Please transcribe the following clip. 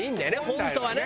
本当はね